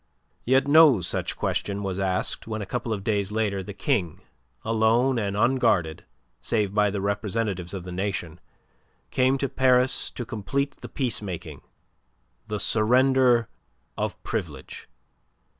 Yet no such question was asked when a couple of days later the King, alone and unguarded save by the representatives of the Nation, came to Paris to complete the peacemaking, the surrender of Privilege.